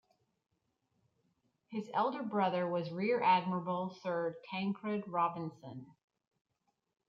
His elder brother was Rear Admiral Sir Tancred Robinson.